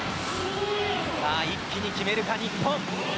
さあ一気に決めるか、日本。